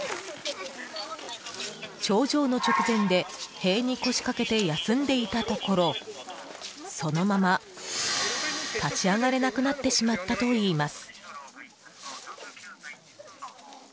頂上の直前で塀に腰かけて休んでいたところ、そのまま立ち上がれなくなってしまったといいます。